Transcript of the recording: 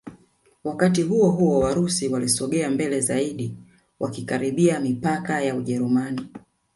Wakati huohuo Warusi walisogea mbele zaidi wakikaribia mipaka ya Ujerumani